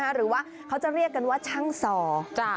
หรือว่าเขาจะเรียกกันว่าช่างซอ